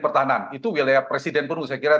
pertahanan itu wilayah presiden pun saya kira